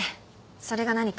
それが何か？